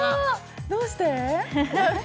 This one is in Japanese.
どうして？